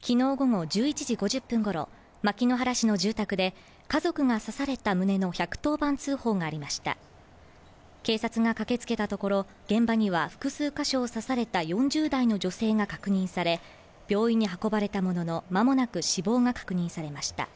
昨日午後１１時５０分ごろ牧之原市の住宅で家族が刺された旨の１１０番通報がありました警察が駆けつけたところ現場には複数箇所を刺された４０代の女性が確認され病院に運ばれたものの間もなく死亡が確認されました